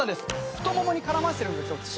太ももに絡ませてるんで。